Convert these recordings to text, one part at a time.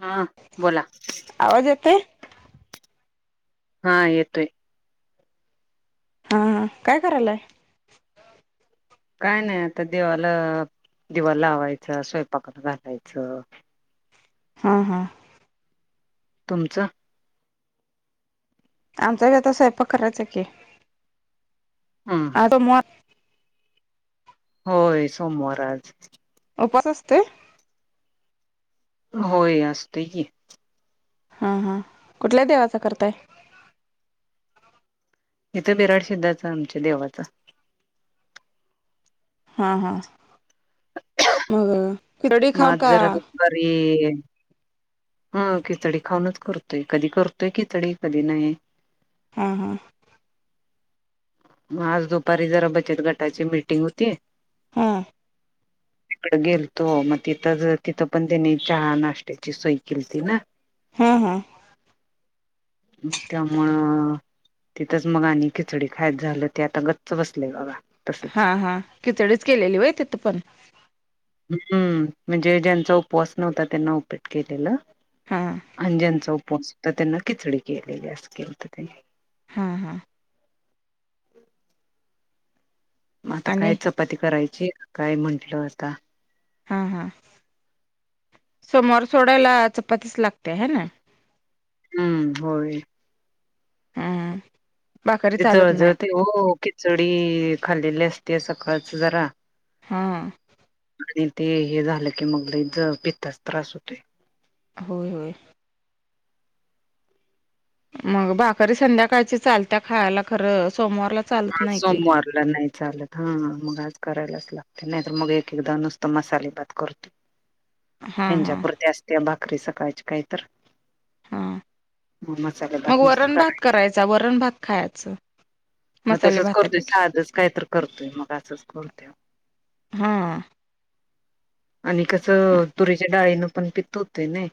हा... बोला आवाज येतोय? हा... येतोय. हा... काय करायलाय? काय नाय आता, देवाला दिवा लावायचं... स्वयंपाकात घालायचं हा... हा. तुमचं? आमचाबी आता स्वयंपाक करायचा की... हम्म. आज सोमवार होय... सोमवार ए आज. उपास असतोय? होय असतोय की. हा, हा कुठल्या देवाचा करताय? इथं बिराड शिंदाचा आमच्या देवाचा. हा, हा मग खिचडी खाऊ मग का जरा दुपारी ह खिचडी खाऊनच करतोय कधी करतोय खिचडी, कधी नाही. हम्म, हम्म. मग आज दुपारी जरा बचत गटाची मीटिंग होती. हम्म. इकडं गेलतो मग तिथं, तिथं पण त्यानी चहा, नाश्त्याची सोय केलती ना. हम्म, हम्म. त्यामुळं तिथंच मग आणि खिचडी खायच झालं ते आता गच्च बसलंय बघा. तसच हा हा किचडीच केलेली होय तिथ पण? हम्म म्हणजे ज्यांचा उपवास नव्हता त्यांना उपेट केलेलं. हा अंजांचा उपवास होता त्यांना खिचडी केलेली अस केल होत त्यांनी हम्म, हम्म. मग आता काय आणि चपाती करायची काय म्हंटलं आता हा हा सोमवार सोडायला चपातीस लागते हाय ना? हम्म होय. हम्म, हम्म. ते जळजळते ओ खिचडी खाल्लेली असते सकाळचं जरा हां. आणि ते हे झालं की मग ल ज पित्ताच त्रास होते. होय, होय. मग भाकरी संध्याकाळची चालत्या खायला खरं सोमवारला चालत ह नाही की सोमवार. नाही चालत हा मग आज करायलाच लागते नाहीत मग एक, एकदा नुसतं मसाले भात कर. [unintelligible] हा हा त्याच्यापुरती असते भाकरी सकाळची काही तर. हा मग मसाले मग भात नुसत वरण कराय भात करायचा वरण भात खायचं. मग मसाले तसच करतोय भातापेक्षा साजच काय तर करतोय मग असंच करतो. हा आणि कसं तुरीच्या डाळीनं पण पित होते नाही.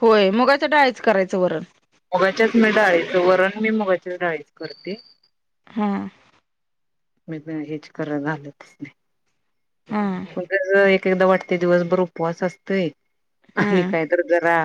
होय मगायचंडायच करायचं वरण. मुगाच्याच मी डाळीचं वरण मी मुगाच्या डाळीच करते. हा. मी हेच करा लागतस नाही. हम्म. पण कस एक एकदा वाटते दिवसभर उपवास असतय हा आणि काय तर जरा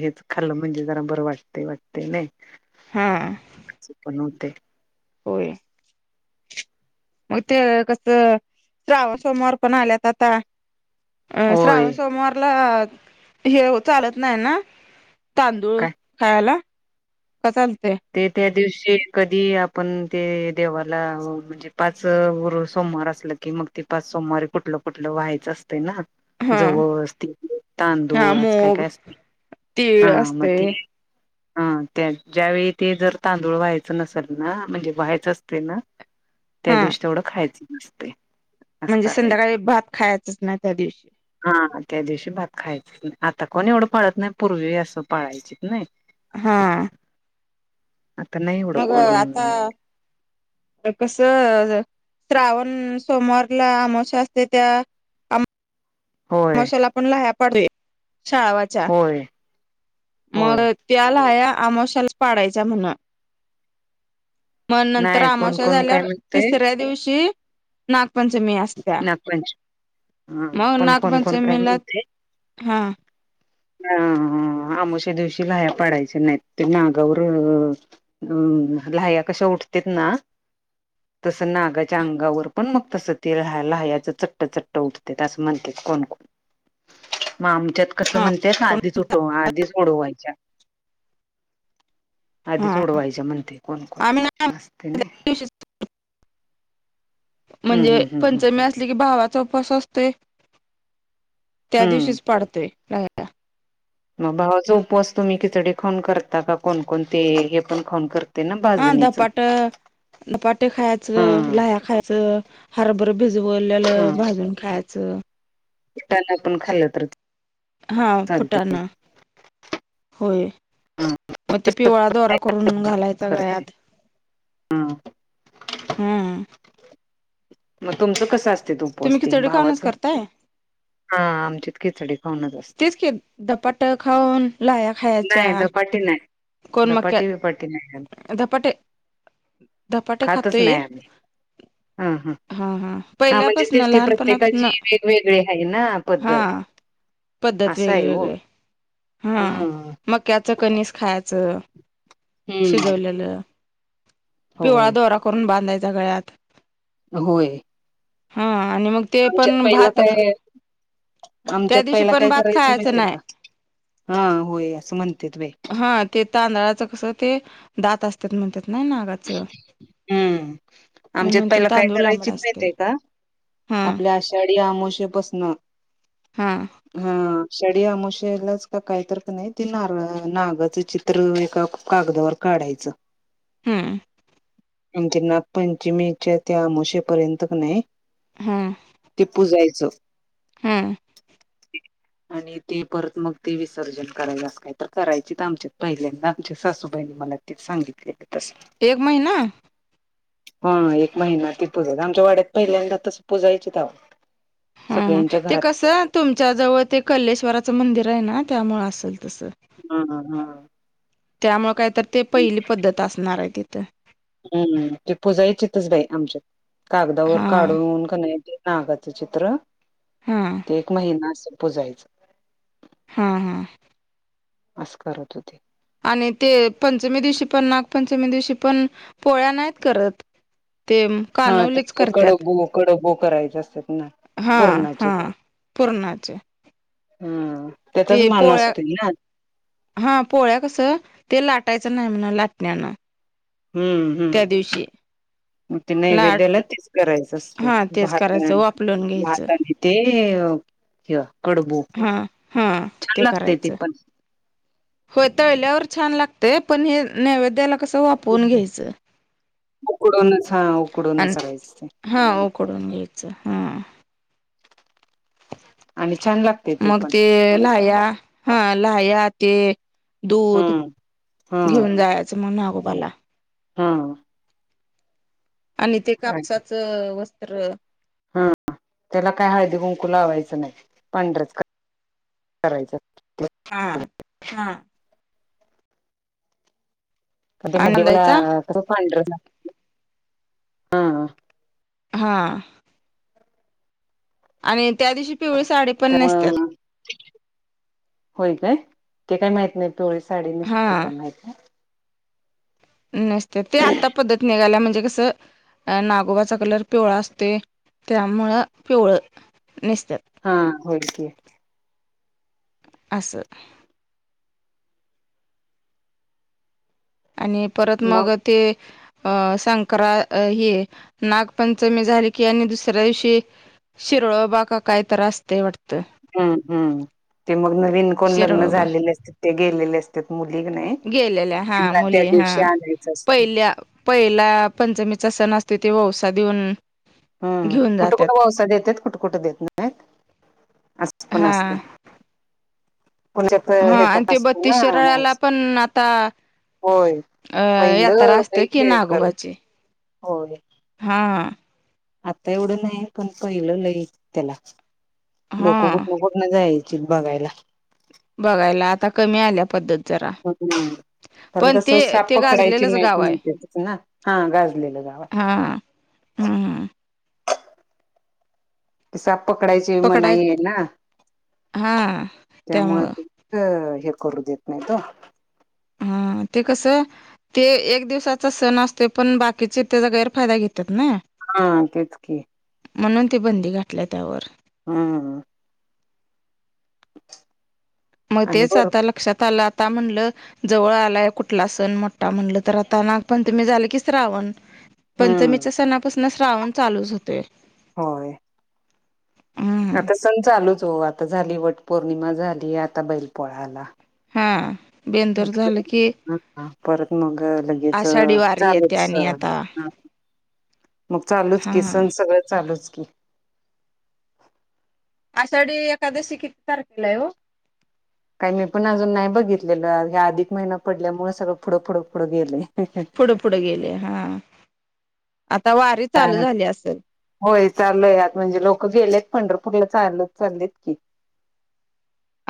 हेच खाल्लं म्हणजे जरा बरं वाटते, वाटते नाही. हम्म. पचन पण नव्हते. होय. मग तेे कसं, श्रावण सोमवार पण आल्यात आता. अं होय श्रावण सोमवारला हे चालत नाही ना? तांदूळ काय खायला, का चालतय? ते त्या दिवशी कधी आपण ते देवाला म्हणजे- पाच वार सोमवार असल की मग ते पाच सोमवारी कुठलं, कुठलं व्हायचं अस- ते ना हा जवस [unintelligible] तेन हा तांदूळ आज काय, मूग काय अस- हा, तीळ मग असते ते- हं, त्या त्यावेळी ते जर तांदूळ व्हायचं नसेल ना, म्हणजे व्हायचं असते ना- [inaudible] त्या दिवशी तेवढं खायचं नसतय. म्हणजे संध्याकाळी भात खायचंच नाही, त्या दिवशी. हा, त्या दिवशी भात खायच नाही, आता कोण एवढं पाळत नाही पूर्वी असं पाळायचीत नाही. हा. आता नाही एवढं मग कोण आता- कस श्रावण सोमवारला आमावश्या असते त्यात- [unintelligible] होय मशाला पण लह्या पड शाळावाच्या होय. होय मग- त्या लाह्या आमोशाला पाडायचा म्हण? मग नंतर नाही कोण आमाशा कोण काय झाल्यावर म्हणतय तिसऱ्या दिवशी- नागपंचमी असत्या. नागपंच हा म पण कोण कोण काय नागपंचमीलाच- हा. ह, आ... आमावश्या दिवशी लाह्या पाडायच्या नाहीत ते मागावर- हम्, लाह्या कशा उठतील ना- तसं नागाच्या अंगावर पण मग तसं- ते ला लाह्याच चट्ट, चट्ट उठतेत असं म्हणतात, कोण, कोण? मग आमच्यात कस हा म्हणतेत कोण आधीच उठवा, आधीच उडवायच्या. आधीच हा उडवायच्या म्हणतेत, कोण कोण आम्ही ना नसतय नाही. दिवशीच हम्म म्हणजे हम्म हम्म हम्म पंचमी असले की, भावाचा उपवास असतोय? त्या हम्म दिवशीच पाडतोय, [unintelligible] मग भावाचा उपवास तुम्ही खिचडी खाऊन करता का, कोण- कोण ते हे पण खाऊन करता? हा धपाट, धपाटे हा खायचं, लह्या खायचं. हरभर भिजवलेलं भाजून खायचं. [unintelligible] आपण खाल्ल तर- हा चालते फुठानं. होय, हा मग ते पिवळा दोरा करून घालायचा करते गळ्यात. हा हम्म. मग तुमचं कसं असतय, ते उपवास तुम्ही ते असते खिचडी खाऊनच भावाचं? करताय हा, आमच्यात खिचडी खाऊनच असतय. तेच की, धपाटा खाऊन लाह्या - नाय धपाटे नाय, मक्या धपाटे बीपाटे नाही काय? धपाटे, धपाटे खातोय? हं, हं. हा हा, म्हणजे पहिल्यापासन तेच की, प्रत्येकाची लहानपणापासन वेगवेगळी आहे ना हा पद्धत. पद्धत असं वेगळी हो वेेगळी आहे. हा, हम्म मक्याचं कनिस खायचं हम्म शिजवलेलं. पिवळा होय दोरा करून बांधायचा गळ्यात होय. हा आणि मग ते आमच्यात पण पहिला भात काय त्या आमच्यात दिवशी पहिला पण काय भात करायचं खायचं माहितय नाही का? हा होय असं म्हणतेत बय हा ते तांदळाचं कसं ते दात असत्यात म्हणत्यात नाइ नागाच हं आमच्यात पहिला काय करायचीत असतोय. माहीतीय का? हा आपल्या आषाढी आमावश्ये पस न हा. हा शडी आमवशेलाच का काहीतर का नाही ती नारळ नागाच चिर - त्र एका कागदावर काढायचं. हम्. आण ते नागपंचमीच्या त्या आमोशेपर्यंत क नाही हा. ते पुजायचं. हा. आणि ते परत मग ते विसर्जन करायलाच अस काय तर करायचेच आमच्यात पहिल्यांदा आमच्या सासूबाईनी मला तिथ सांगितलीत तस एक महिना? हा एक महिना ती पुजल - आमच्या वाड्यात पहिल्यांदा तसं पूजायचीत अवो हा ह ते कसं तुमच्या जवळ ते कल्लेश्वराचं मंदिर आहे ना? त्यामुळं असल तसं. हा - हा - हा. त्यामुळं काय तर ते पहिली पद्धत असणार आहे तिथं. हम्म ते पुजायचीतच बाई आमच्यात. कागदावर हा काढून का नाही ते नागाच चित्र हां एक महिना अस पुजायच. हा -हा. आस करत होतीत. आणि ते पंचमी दिवशी पण नागपंचमी दिवशी पण पोळ्या नाहीत करत. ते म हा ते कडबो कडबो करायचे असतात ना? हा पूर्णाचे हा पूरणाचे. हा. ते पोळ्या हा पोळ्या कसं ते लाटायचं नाही म्हण लाटण्यान हम्म हम्म. म ते लाडू नैवेद्याला तेच करायचं असतय हा तेच करायचं भात्याण, वापलून घ्यायचं भात आणि ते क्य कडबू हा हा छान ते लागते करायचं पण होय तळल्यावर छान लाग ते पण हे नैवेद्याला कसं वाफवून घ्यायचं. उकडूनच हा आणि उकडूनचरायचं ते हा ओकडून घ्यायच हा. आणि छान लागते मग पण ते लाह्या हा लाह्या ते दूध हम्म घेऊन जायचं म्हण नागोबाला ह. आणि ते कापसाचं वस्त्र ह. त्याला काय हळदी कुंकू लावायचं नाही. पांढरच करायचं. ह. ह. का ते म देवाला आनंदायचा ते पांडर लागते. ह. हा. आणि त्या दिवशी पिवळी साडे त्यामुळ. होय काय? ते काय माहित नाही. पिवळी साडी नसते हा ते काय माहित नाय. नसते. ते आता पद्धत निघायल्या म्हणजे कसं? अ नागोबाचा कलर पिवळा असतोय. त्यामुळं पिवळं नेसतात. हा. होय की. अस. आणि परत मग ते. अ संक्र हे नागपंचमी झाली की आणि दुसऱ्या दिवशी. शिरळ बा का काहीतरी असतय वाटत? हम्म हम्म. ते मग नवीन कोण लग्न शिरळोबा झालेले असते. ते गेलेले अस त्या मुली का नाही. गेलेल्या हा त्यांना त्या मुली हा दिवशी आणायचं असतं. पहिल्या पहिला पंचमीचा सण असतो. ते वौसा देऊन हम्म. घेऊन कुठं जात्यात कुठं वौसा देतात कुठं कुठं देत नाहीत. असं पण हा असते. [unintelligible] हा आणि ते याच्यापासून बत्तीस ना शिराळ्याला वौसा. पण आता होय. अ यात्रा पहिलं लई असते की खेळ कर. नागोबाची होय. हा. आता एवढं नाही. पण पहिलं लई त्याला. लोक हा कुठन कुठ जायचीत बघायला. बघायला. आता कमी आल्या पद्धत. जरा ह [inaudible] कारण पण कस ते साप ते पकडायची गाजलेलंच नाहीत गाव आहे म्हणतेत न हा गाजलेलं गावये. हम्म हम्म. साप पकडायची पकडाय मनाईये ना. हा त्यामुळे त्यामुळं ते अ हे करु देत नाही तो. हा ते कसं ते एक दिवसाचा सण असतोय, पण बाकीचे त्याचा गैरफायदा घेतात ना. हा तेच की. म्हणून ती बंदी घातल्याय त्यावर. हम्म. मग आणि तेच बर आता लक्षात आलं. आता म्हणलं जवळ आलाय कुठला सण मोठा म्हणल तर, आता नागपंचमी झाल की श्रावण. हम्म पंचमीच्या सणापासून श्रावण चालूच होतोय. होय. हम्म आता सण चालूच हो. आता झाली वट पौर्णिमा झाली. आता बैल पोळा आला. हा बेंदर झालं की, ह परत मग लगेच आषाढी वारी येते चालेूच आणि आता ह. मग चालूच की, हा सण सगळं चालूच की. आषाढी एखकादशी किती तारखेलाय हो? काय मी पण अजून नाय बघितलेलं. हे अधिक महिना पडल्यामुळे सगळं पुढं पुुढं पुढं गेलय. [unintelligible] पुढे गेले, हा. आता वारी चालू झाली असल. होय, चालूय म्हणजे लोक गेलेत पंढरपूरला. चालत चाललेत की.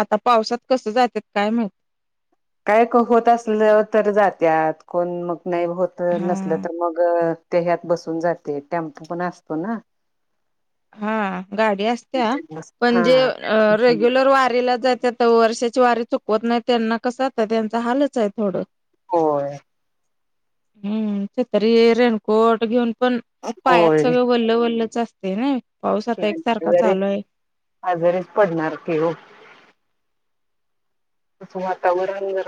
आता पावसात कसं जात्यात, काय माह काय क होत असलं तर जात्यात. कोण मग नाही होत, नसलं हा तर मग ते ह्यात बसून जाते. टॅम्पू पण असतो ना. [inaudible] हा, गाडी असत्या. पण जे हा अ रेग्युलर वारीला जात्यात वर्षाची वारी चुकवत नाही. त्यांना कसं, आता त्यांचा हालचाय थोडं. होय. हम्म, छतरी, रेनकोट घेऊन पण, पायात होय सगळ वल्ल- वल्लच असतेय ना. पाऊस आता [unintelligible] एकसारखा वगैरे. चालू आहे. आजारीच पडणार की हो. असं वातावरण जरा